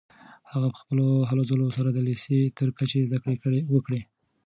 هغه په خپلو هلو ځلو سره د لیسې تر کچې زده کړې وکړې.